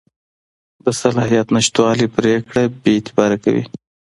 د صلاحیت نشتوالی پرېکړه بېاعتباره کوي.